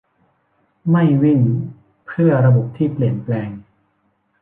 ไม่วิ่งเพื่อระบบที่เปลี่ยนแปลง